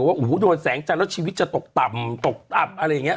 โหโห้โหโดนแสงจันเนี้ยแล้วชีวิตจะตกต่ำตกอับอะไรเนี้ย